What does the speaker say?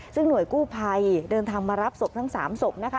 ซึ่งหน่วยกู้ภัยเดินทางมารับศพทั้ง๓ศพนะคะ